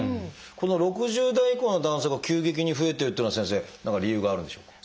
この６０代以降の男性が急激に増えてるっていうのは先生何か理由があるんでしょうか？